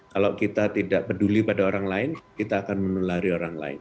kalau kita tidak peduli pada orang lain kita akan menulari orang lain